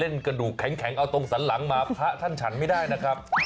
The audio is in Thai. กระดูกแข็งเอาตรงสันหลังมาพระท่านฉันไม่ได้นะครับ